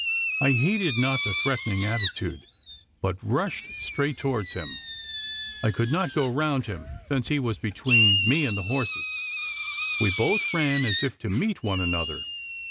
I heeded not the threatening attitude, but rushed straight towards him. I could not go round him: since he was between me and the horses. We both ran, as if to meet one another.